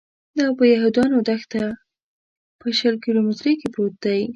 دا په یهودانو دښته کې په شل کیلومترۍ کې پروت دی.